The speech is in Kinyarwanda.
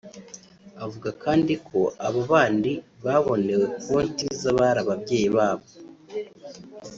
Avuga kandi ko abo bandi babonewe konti z’abari ababyeyi babo